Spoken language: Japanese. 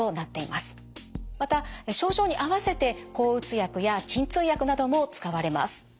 また症状に合わせて抗うつ薬や鎮痛薬なども使われます。